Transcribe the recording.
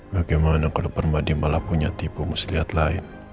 bagaimana kalau permadi malah punya tipu muslihat lain